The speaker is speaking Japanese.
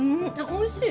おいしい！